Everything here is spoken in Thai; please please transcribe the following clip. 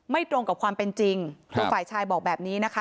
ตรงกับความเป็นจริงคือฝ่ายชายบอกแบบนี้นะคะ